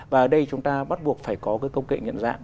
và ở đây chúng ta bắt buộc phải có cái công nghệ nhận dạng